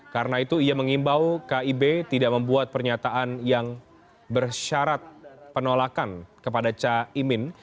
karena itu ia mengimbau kib tidak membuat pernyataan yang bersyarat penolakan kepada chaimin